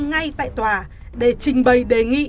ngay tại tòa để trình bày đề nghị